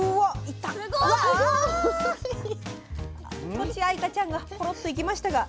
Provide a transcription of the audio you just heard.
とちあいかちゃんがコロッといきましたが。